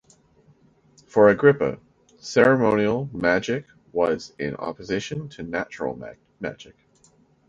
For Agrippa, ceremonial magic was in opposition to natural magic.